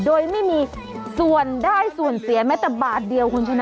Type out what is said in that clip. โดยไม่มีส่วนได้ส่วนเสียแม้แต่บาทเดียวคุณชนะ